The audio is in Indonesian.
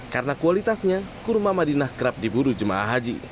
karena kualitasnya kurma madinah kerap diburu jum'ah haji